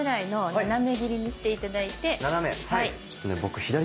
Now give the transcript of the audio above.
斜め？